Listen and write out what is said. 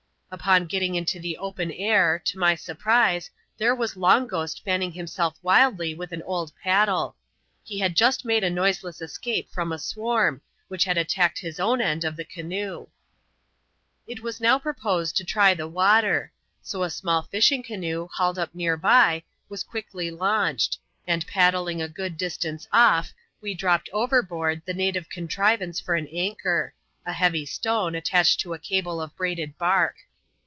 Upon getting into the open air, to my surprise, there was Long Ghost, fanning himself wildly with an old paddle. He had just made a noiseless escape from a swarm, which had attacked his own end of fhe canoe. It was now proposed to try the water ; so a small fishing canoe, hauled up near by, was quickly launched ; and paddling a good distance off*, we dropped overboard the native contri vance for an anchor — a heavy stone, attached to a cable of braided bark.